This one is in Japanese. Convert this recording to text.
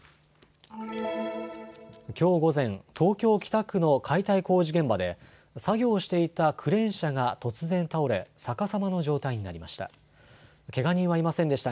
きょう午前、東京北区の解体工事現場で作業をしていたクレーン車が突然倒れ逆さまの状態になりました。